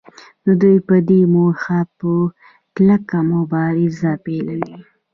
دوی په دې موخه په کلکه مبارزه پیلوي